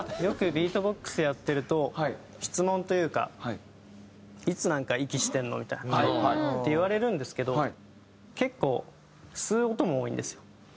よくビートボックスやってると質問というかいつ息してるの？みたいな。って言われるんですけど結構吸う音も多いんですよ。